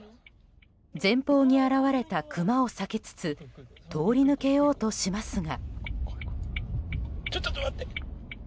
前方に現れたクマを避けつつ通り抜けようとしますが。